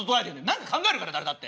何か考えるから誰だって。